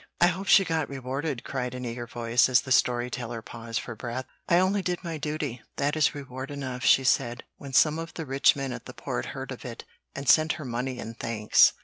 "I hope she got rewarded," cried an eager voice, as the story teller paused for breath. "'I only did my duty; that is reward enough,' she said, when some of the rich men at the Port heard of it and sent her money and thanks.